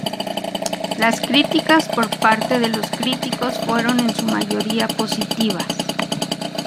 Las críticas por parte de los críticos fueron en su mayoría positivas.